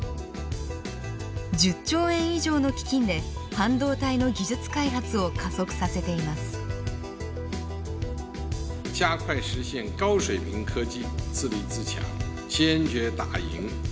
１０兆円以上の基金で半導体の技術開発を加速させています。